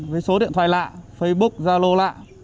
với số điện thoại lạ facebook zalo lạ